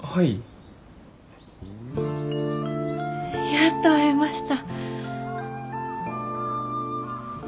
やっと会えました。